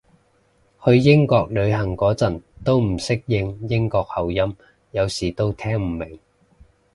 去英國旅行嗰陣都唔適應英國口音，有時都聽唔明